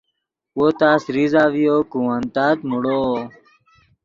وو تس ریزہ ڤیو کہ ون تات موڑو